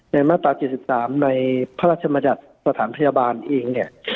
มาตรา๗๓ในพระราชมัญญัติสถานพยาบาลเองเนี่ย